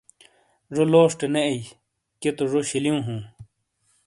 ذو لوشٹے نے ائیی کئیے تو ذو شِیلِیُوں ہُوں۔